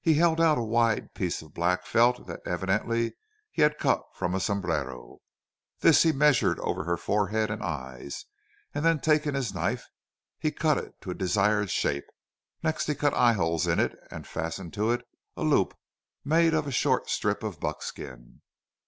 He held out a wide piece of black felt that evidently he had cut from a sombrero. This he measured over her forehead and eyes, and then taking his knife he cut it to a desired shape. Next he cut eyeholes in it and fastened to it a loop made of a short strip of buckskin.